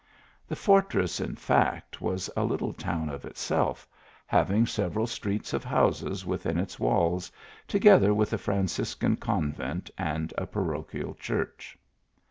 The fortress, in fact, was a little town of itself, having several streets of houses within its walls, together with a Franciscan convent and a parochial church.